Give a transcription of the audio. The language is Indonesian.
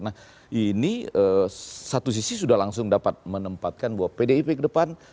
nah ini satu sisi sudah langsung dapat menempatkan bahwa pdip ke depan